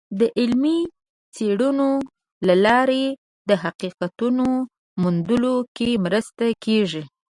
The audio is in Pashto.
د علمي څیړنو له لارې د حقیقتونو موندلو کې مرسته کیږي.